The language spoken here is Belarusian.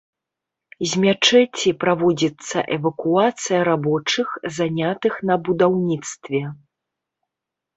З мячэці праводзіцца эвакуацыя рабочых, занятых на будаўніцтве.